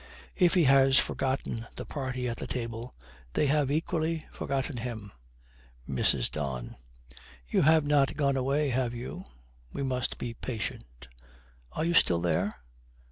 If he has forgotten the party at the table, they have equally forgotten him. MRS. DON. 'You have not gone away, have you? We must be patient. Are you still there?'